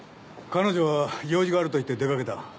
彼女は用事があるといって出かけた。